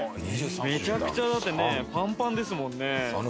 めちゃくちゃだってねパンパンですもんね。